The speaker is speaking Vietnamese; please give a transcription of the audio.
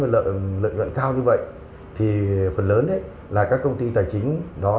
lợi nhuận cao như vậy thì phần lớn là các công ty tài chính đó